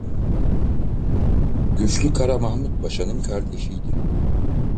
Güçlü Kara Mahmud Paşa'nın kardeşiydi.